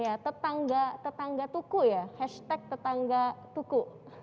iya tetangga tetangga tuku ya hashtag tetangga tuku